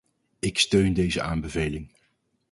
Ik steun deze aanbeveling.